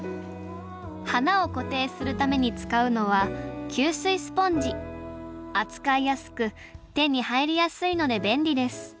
花を固定するために使うのは扱いやすく手に入りやすいので便利です。